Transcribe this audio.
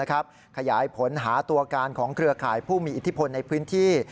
ขยายผลหาตัวการของเครือข่ายผู้มีอิทธิพลในพื้นที่